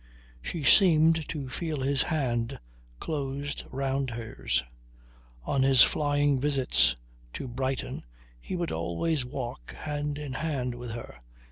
She seemed to feel his hand closed round hers. On his flying visits to Brighton he would always walk hand in hand with her.